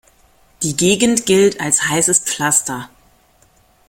Die Gegend gilt als heißes Pflaster.